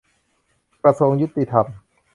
กระทรวงยุติธรรม